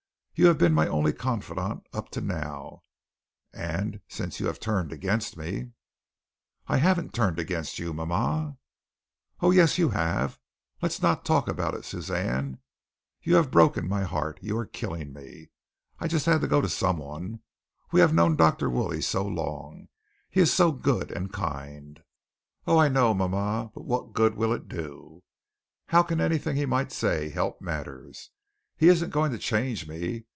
You have been my only confidant up to now, and since you have turned against me " "I haven't turned against you, mama." "Oh, yes you have. Let's not talk about it, Suzanne. You have broken my heart. You are killing me. I just had to go to someone. We have known Dr. Woolley so long. He is so good and kind." "Oh, I know, mama, but what good will it do? How can anything he might say help matters? He isn't going to change me.